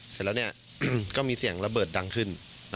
เสร็จแล้วก็มีเสียงระเบิดดังขึ้น